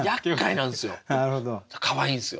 かわいいんすよ。